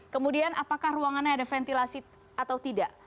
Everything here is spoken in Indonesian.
kemudian apakah ruangannya ada ventilasi atau tidak